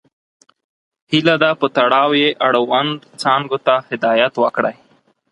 هیله ده په تړاو یې اړوند څانګو ته هدایت وکړئ.